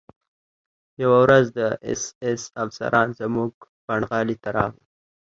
یوه ورځ د اېس ایس افسران زموږ پنډغالي ته راغلل